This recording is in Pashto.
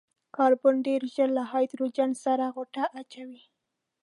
کاربن ډېر ژر له هايډروجن سره غوټه اچوي.